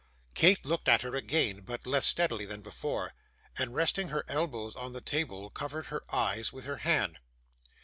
Kate looked at her again, but less steadily than before; and resting her elbow on the table, covered her eyes with her hand.